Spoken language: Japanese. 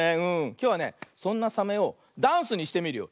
きょうはねそんなサメをダンスにしてみるよ。